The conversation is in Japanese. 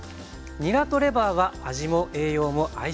にらとレバーは味も栄養も相性抜群。